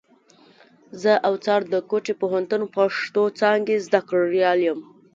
زه اوڅار د کوټي پوهنتون پښتو څانګي زدهکړيال یم.